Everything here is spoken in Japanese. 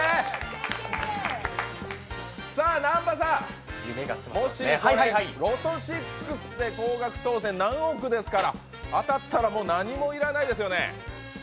南波さん、もしロト６で高額当選、何億ですから当たったら、もう何も要らないですよね。